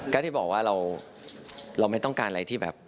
ก็ที่บอกว่าเราไม่ต้องการอะไรที่แบบ